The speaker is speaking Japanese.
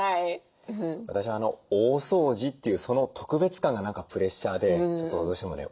私「大掃除」っていうその特別感が何かプレッシャーでちょっとどうしてもね